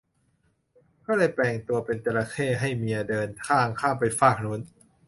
ก็เลยแปลงตัวเป็นจระเข้ให้เมียเดินทางข้ามไปฟากนู้น